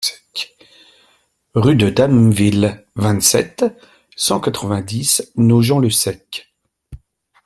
Rue de Damville, vingt-sept, cent quatre-vingt-dix Nogent-le-Sec